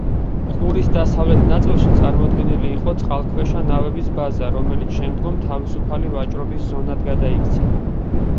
ყურის დასავლეთ ნაწილში წარმოდგენილი იყო წყალქვეშა ნავების ბაზა, რომელიც შემდგომ თავისუფალი ვაჭრობის ზონად გადაიქცა.